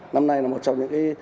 năm nay là một trong những cái